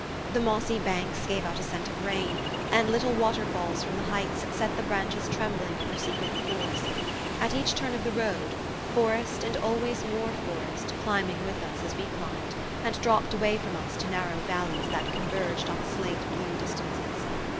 The mossy banks gave out a scent of rain, and little water falls from the heights set the branches trembling over secret pools. At each turn of the road, forest, and always more forest, climbing with us as we climbed, and dropped away from us to narrow valleys that converged on slate blue distances.